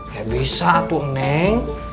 ya bisa tuh neng